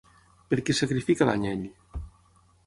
Per què sacrifica l'anyell?